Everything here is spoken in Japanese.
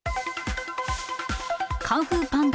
カンフーパンダ